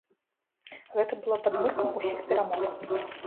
Гэта было падмуркам усіх перамог.